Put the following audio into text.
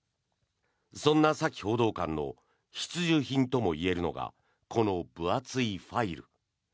そんなサキ報道官の必需品ともいえるのがこの分厚いファイル。